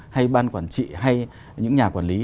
hay ban quản trị hay những nhà quản lý